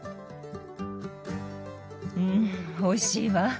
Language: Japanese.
んおいしいわ。